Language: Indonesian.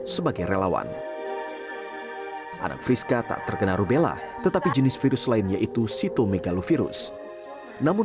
sebagai relawan anak friska tak terkena rubella tetapi jenis virus lain yaitu sitomegalovirus namun